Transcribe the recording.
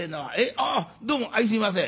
ああどうもあいすいません。